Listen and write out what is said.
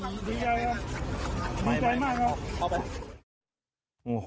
ดีใจครับดีใจมาก